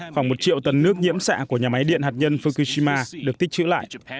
khoảng một triệu tấn nước nhiễm xạ của nhà máy điện hạt nhân fukushima được tích chữ lại